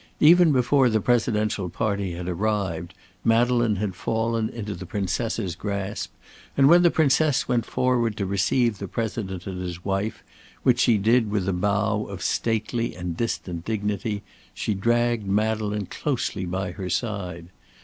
Even before the Presidential party had arrived, Madeleine had fallen into the Princess's grasp, and when the Princess went forward to receive the President and his wife, which she did with a bow of stately and distant dignity, she dragged Madeleine closely by her side.